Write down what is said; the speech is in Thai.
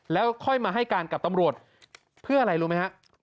แล้วค่อยมาให้การกับตำรวจเพื่ออะไรรู้ไหมฮะ